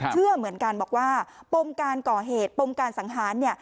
เชื่อเหมือนกันบอกว่าปมการก่อเหตุปมการสังหารเนี่ย